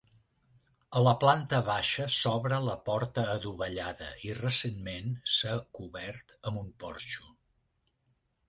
A la planta baixa s'obre la porta adovellada i recentment, s'ha cobert amb un porxo.